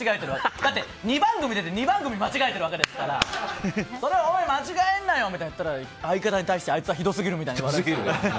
だって２番組、出て２番組間違えてるわけですからお前、間違えるなよみたいに言ったら相方に対してあいつはひどすぎるみたいな。